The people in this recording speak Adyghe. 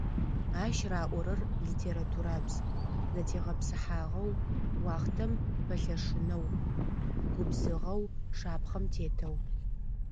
Ащ раӏорэр - литературабз: зэтегъэпсыхьагъэу, уахътэм пэлъэшынэу, губзыгъэу, шапхъэм тетэу.